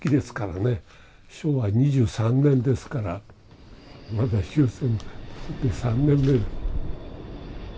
昭和２３年ですからまだ終戦３年目。